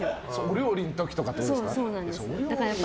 料理の時とかってことですか。